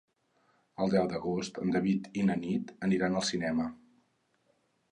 El deu d'agost en David i na Nit aniran al cinema.